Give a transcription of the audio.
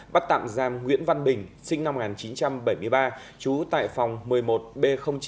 bắt tạm giam nguyễn văn bình sinh năm một nghìn chín trăm bảy mươi ba trú tại phòng một mươi một b chín